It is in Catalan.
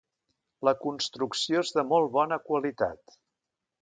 La construcció és de molt bona qualitat.